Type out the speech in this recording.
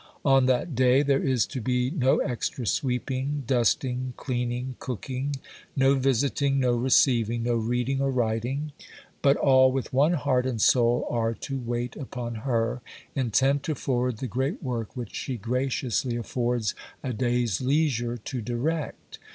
On that day, there is to be no extra sweeping, dusting, cleaning, cooking, no visiting, no receiving, no reading or writing, but all with one heart and soul are to wait upon her, intent to forward the great work which she graciously affords a day's leisure to direct.